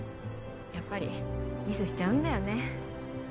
やっぱりミスしちゃうんだよね